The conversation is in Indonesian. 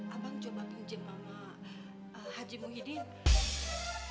abang coba pinjem sama haji muhyiddin